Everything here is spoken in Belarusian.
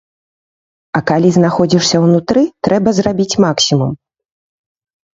А калі знаходзішся ўнутры, трэба зрабіць максімум.